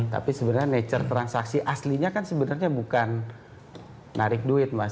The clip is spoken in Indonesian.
tapi sebenarnya nature transaksi aslinya kan sebenarnya bukan narik duit mas